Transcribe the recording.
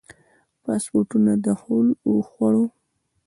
پاسپورټونو دخول وخوړه.